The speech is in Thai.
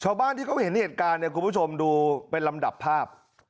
ชาวบ้านที่เขาเห็นเหตุการณ์เนี่ยคุณผู้ชมดูเป็นลำดับภาพ